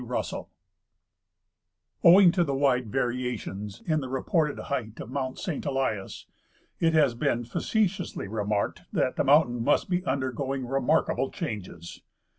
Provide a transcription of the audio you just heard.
RUSSELL Owing to the wide variations in the reported height of mount Saint Elias, it has been facetiously remarked that the mountain must be undergoing remarkable changes.